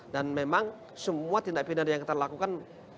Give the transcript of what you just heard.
dan memang semua tindak pindah yang kita lakukan